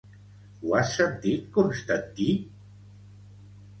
Ho has sentit, Constantí?